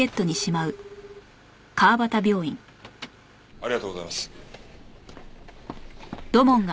ありがとうございます。